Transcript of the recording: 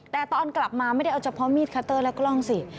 แต่ตอนกลับมาไม่ได้เอาเฉพาะมีดคัตเตอร์และกล้องสิ